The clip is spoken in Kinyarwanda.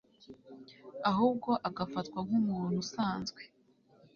ahubwo agafatwa nk'umuntu usanzwe.